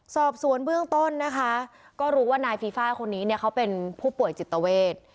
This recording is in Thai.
สอบสวนเบื้องต้นนะคะก็รู้ว่านายฟีฟ่าคนนี้เนี่ยเขาเป็นผู้ป่วยจิตเวท